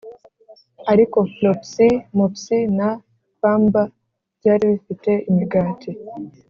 ariko flopsy, mopsy, na pamba byari bifite imigati